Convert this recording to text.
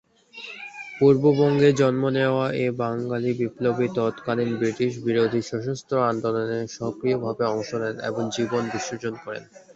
পূর্ববঙ্গে জন্ম নেয়া এই বাঙালি বিপ্লবী তৎকালীন ব্রিটিশ বিরোধী সশস্ত্র আন্দোলনে সক্রিয়ভাবে অংশ নেন এবং জীবন বিসর্জন করেন।